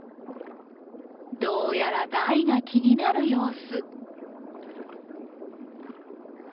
どうやらダイが気になる様子。